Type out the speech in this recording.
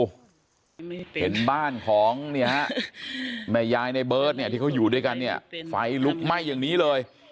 เห็นบ้านของเนี่ยฮะแม่ยายในเบิร์ตเนี่ยที่เขาอยู่ด้วยกันเนี่ยไฟลุกไหม้อย่างนี้เลย